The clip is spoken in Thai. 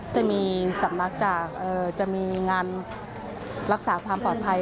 จะมีสำนักจากจะมีงานรักษาความปลอดภัย